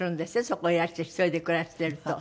そこへいらして１人で暮らしてると。